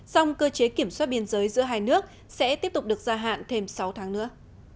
song cơ chế kiểm soát biên giới giữa hai nước sẽ tiếp tục được gia hạn thêm sáu tháng nữa